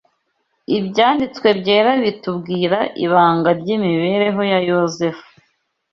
Ibyanditswe Byera bitubwira ibanga ry’imibereho ya Yosefu.